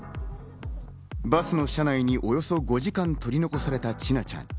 バスの車内におよそ５時間、取り残された千奈ちゃん。